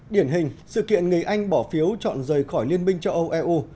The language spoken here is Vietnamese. điển hình sự kiện người anh bỏ phiếu chọn rời khỏi liên minh châu âu eu